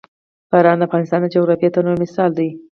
باران د افغانستان د جغرافیوي تنوع یو مثال دی.